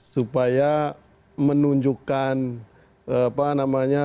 supaya menunjukkan apa namanya